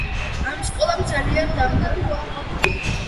ამ სკოლამ ძალიან დამღალა